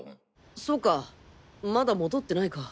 そうかまだ戻ってないか。